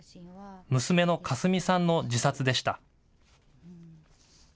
娘の香澄さんの自殺でした。